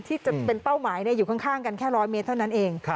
ที่จะเป็นเป้าหมายอยู่ข้างกันแค่๑๐๐เมตรเท่านั้นเอง